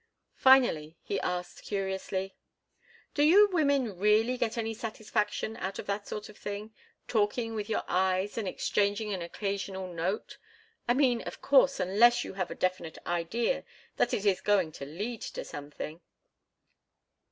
Finally he asked, curiously: "Do you women really get any satisfaction out of that sort of thing—talking with your eyes and exchanging an occasional note? I mean, of course, unless you have a definite idea that it is going to lead to something?"